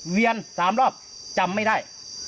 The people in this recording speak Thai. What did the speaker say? เวียน๓รอบจำไม่ได้